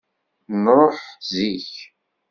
Nṛuḥ zik.